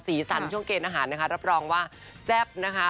สีสันช่วงเกณฑ์อาหารนะคะรับรองว่าแซ่บนะคะ